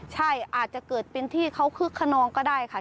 ใช่อาจจะเกิดเป็นที่เขาคึกขนองก็ได้ค่ะ